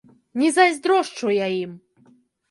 Не зайздрошчу я ім!